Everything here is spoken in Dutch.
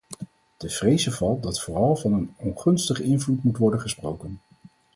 Te vrezen valt dat vooral van een ongunstige invloed moet worden gesproken.